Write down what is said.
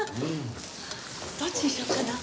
どっちにしようかな？